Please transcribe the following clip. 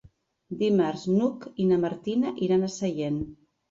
Dimarts n'Hug i na Martina iran a Sellent.